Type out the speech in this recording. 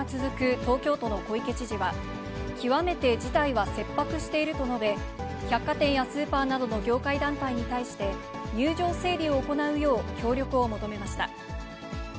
東京都の小池知事は、極めて事態は切迫していると述べ、百貨店やスーパーなどの業界団体に対して、入場整理を行うよう協力を求めました。